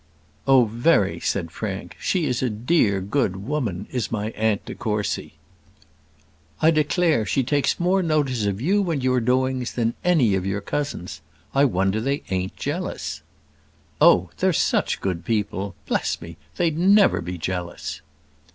"Oh, very!" said Frank: "she is a dear, good woman, is my Aunt de Courcy." "I declare she takes more notice of you and your doings than of any of your cousins. I wonder they ain't jealous." "Oh! they're such good people. Bless me, they'd never be jealous."